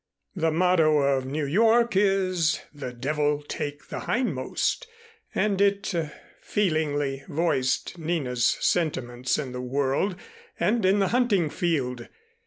The motto of New York is "The Devil Take the Hindmost," and it feelingly voiced Nina's sentiments in the world and in the hunting field.